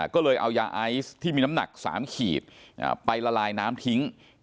ก็เลยเอายาไอซ์ที่มีน้ำหนัก๓ขีดไปละลายน้ำทิ้ง